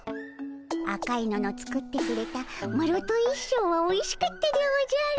赤いのの作ってくれたマロと一緒ぉはおいしかったでおじゃる。